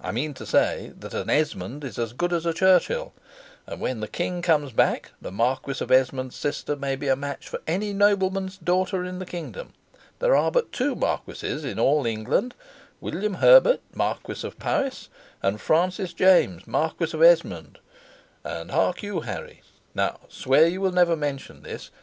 I mean to say that an Esmond is as good as a Churchill; and when the King comes back, the Marquis of Esmond's sister may be a match for any nobleman's daughter in the kingdom. There are but two marquises in all England, William Herbert Marquis of Powis, and Francis James Marquis of Esmond; and hark you, Harry, now swear you will never mention this.